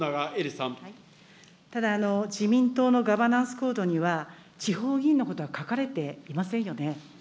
ただ、自民党のガバナンス・コードには地方議員のことは書かれていませんよね。